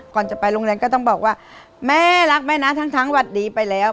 ก่อนจะไปโรงแรมก็ต้องบอกว่าแม่รักแม่นะทั้งวัดดีไปแล้ว